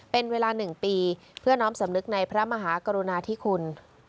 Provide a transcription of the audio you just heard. เป็นเวลา๑ปีเพื่อน้อมสำนึกในพระมหากรุณาธิคุณ